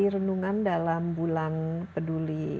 renungan dalam bulan peduli